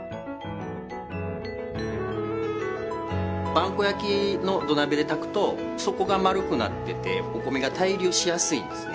萬古焼の土鍋で炊くと底が丸くなっててお米が対流しやすいんですね